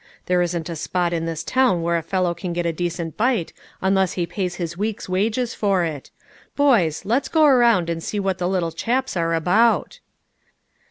There isn't a spot in this town where a fellow can get a decent bite un less he pays his week's wages for it ; boys, let's go around and see what the little chaps are about."